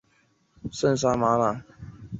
快播是一款基于视频点播的播放软件。